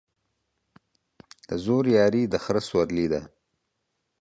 د زورياري ، د خره سورلى.